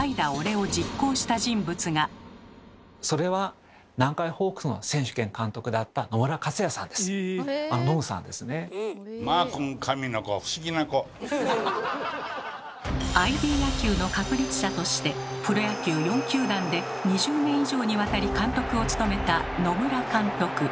それは「ＩＤ野球」の確立者としてプロ野球４球団で２０年以上にわたり監督を務めた野村監督。